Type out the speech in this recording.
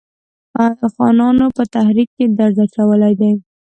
خانانو په تحریک کې درز اچولی دی.